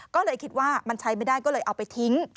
ก็เลยคิดว่ามันใช้ไม่ได้ก็เลยเอาไปทิ้ง